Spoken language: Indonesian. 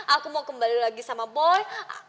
aku mau kembali lagi sama boy